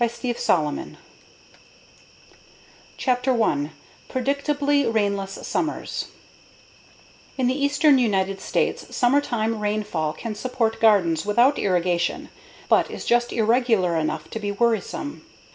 Steve Solomon Chapter 1 Predictably Rainless Summers In the eastern United States, summertime rainfall can support gardens without irrigation but is just irregular enough to be worrisome.